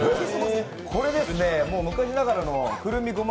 これ、昔ながらのくるみごま